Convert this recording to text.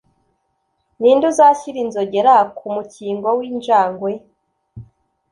Ninde uzashyira inzogera ku mukingo w'injangwe?